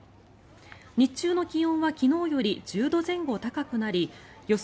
日中の気温は昨日より１０度前後高くなり予想